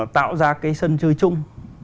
tạo ra cái sân chơi chung